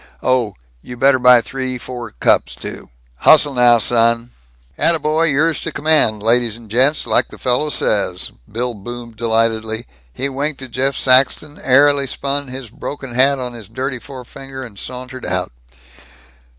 Oh, you better buy three four cups, too. Hustle now, son!" "Attaboy! Yours to command, ladies and gents, like the fellow says!" Bill boomed delightedly. He winked at Jeff Saxton, airily spun his broken hat on his dirty forefinger, and sauntered out.